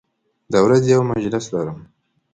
د ورځې یو مجلس لرم